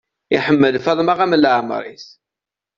Iḥemmel Faḍma am leɛmer-is.